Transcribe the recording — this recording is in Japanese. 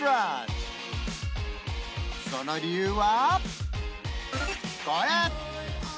その理由はこれ！